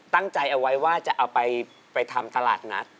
ตั้งใจเอาไว้ว่าจะเอาไปทำตลาดนัด